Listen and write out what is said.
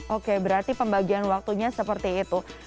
oke berarti pembagian waktunya seperti itu